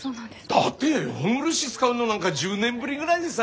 だって本漆使うのなんか１０年ぶりぐらいでさ。